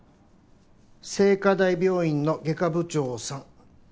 聖花大病院の外科部長さん。